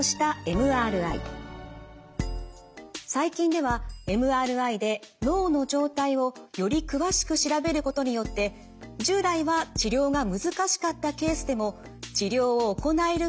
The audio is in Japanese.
最近ではＭＲＩで脳の状態をより詳しく調べることによって従来は治療が難しかったケースでも治療を行えるケースが出てきています。